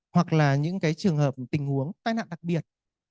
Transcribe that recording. hoặc là những cái trường hợp tình huống tai nạn đặc biệt